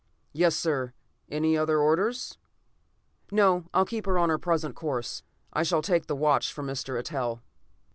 "Yes, sir! Any other orders?" "No. Keep her on her present course. I shall take the watch from Mr. Eitel."